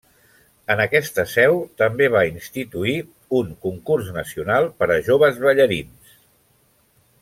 En aquesta seu també va instituir un Concurs Nacional per a joves ballarins.